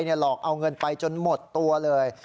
หลอกเอาเงินไปจนหมดตัวเลย